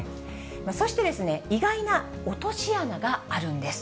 そしてですね、意外な落とし穴があるんです。